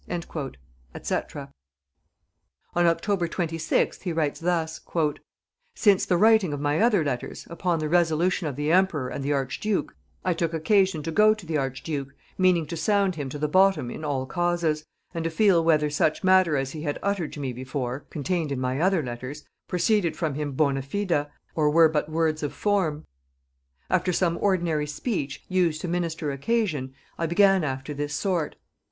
&c. On October 26th he writes thus: "Since the writing of my other letters, upon the resolution of the emperor and the archduke, I took occasion to go to the archduke, meaning to sound him to the bottom in all causes, and to feel whether such matter as he had uttered to me before (contained in my other letters) proceeded from him bona fide, or were but words of form.... After some ordinary speech, used to minister occasion, I began after this sort.